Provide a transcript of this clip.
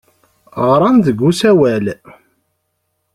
Ɣran-d deg usawal.